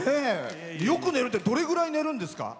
よく寝るってどれぐらい寝るんですか。